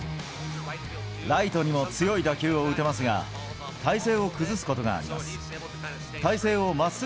ライトにも強い打球を打てますが、体勢を崩すことがあります。